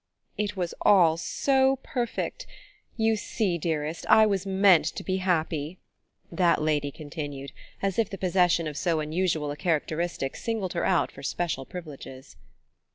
"It was all so perfect you see, dearest, I was meant to be happy," that lady continued, as if the possession of so unusual a characteristic singled her out for special privileges.